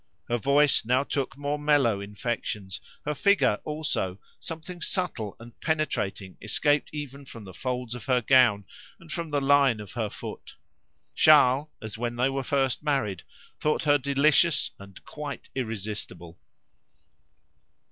Her voice now took more mellow infections, her figure also; something subtle and penetrating escaped even from the folds of her gown and from the line of her foot. Charles, as when they were first married, thought her delicious and quite irresistible.